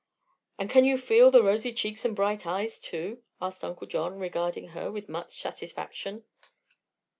"And can you feel the rosy cheeks and bright eyes, too?" asked Uncle John, regarding her with much satisfaction.